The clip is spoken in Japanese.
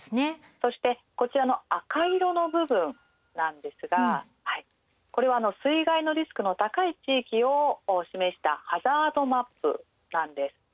そしてこちらの赤色の部分なんですがこれは水害のリスクの高い地域を示したハザードマップなんです。